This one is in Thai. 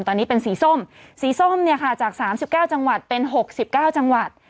ตอนนี้เป็นสีส้มสีส้มเนี่ยค่ะจากสามสิบเก้าจังหวัดเป็นหกสิบเก้าจังหวัด